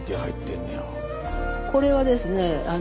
これはですね